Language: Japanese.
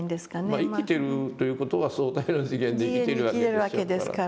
まあ生きてるという事は相対の次元で生きてるわけでしょうから。